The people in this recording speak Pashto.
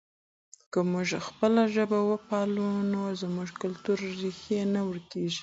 که موږ خپله ژبه وپالو نو زموږ کلتوري ریښې نه ورکېږي.